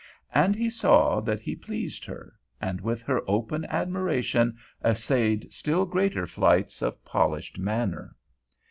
And he saw that he pleased her, and with her open admiration essayed still greater flights of polished manner.